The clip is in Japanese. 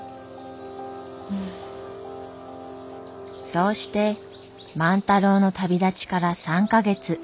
そうして万太郎の旅立ちから３か月。